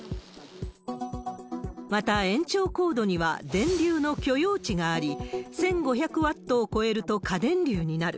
また、延長コードには電流の許容値があり、１５００ワットを超えると過電流になる。